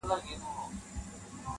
دا نظم وساته موسم به د غوټیو راځي-